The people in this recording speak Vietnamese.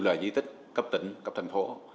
dù là di tích cấp tỉnh cấp thành phố